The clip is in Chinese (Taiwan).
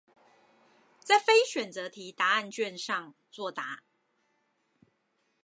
在非選擇題答案卷上作答